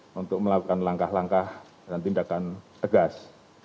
kami akan melakukan langkah langkah dan tindakan tegas